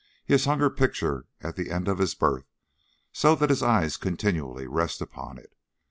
He has hung her picture at the end of his berth, so that his eyes continually rest upon it.